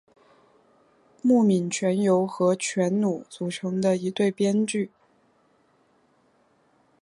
木皿泉由和泉努组成的一对编剧。